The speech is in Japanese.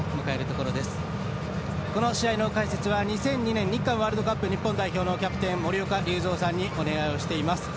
この試合の解説は２００２年日韓ワールドカップ日本代表のキャプテン・森岡隆三さんにお願いをしています。